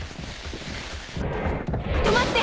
止まって！